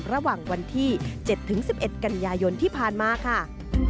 ระหว่างวันที่๗๑๑กันยายนที่ผ่านมาค่ะ